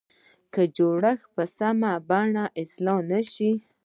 که جوړښتونه په سمه بڼه اصلاح نه شي.